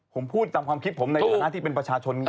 ผมพูดตามความคิดผมในฐานะที่เป็นประชาชน